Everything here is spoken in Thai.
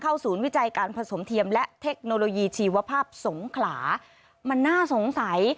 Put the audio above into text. ศูนย์วิจัยการผสมเทียมและเทคโนโลยีชีวภาพสงขลามันน่าสงสัย